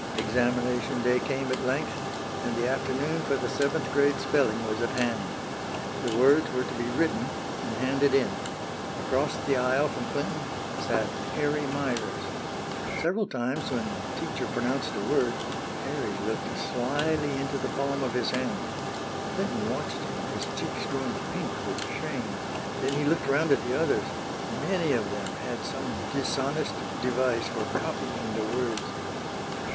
Examination day came at length, and the afternoon for the seventh grade spelling was at hand. The words were to be written, and handed in. Across the aisle from Clinton sat Harry Meyers. Several times when teacher pronounced a word, Harry looked slyly into the palm of his hand. Clinton watched him, his cheeks growing pink with shame. Then he looked around at the others. Many of them had some dishonest device for copying the words.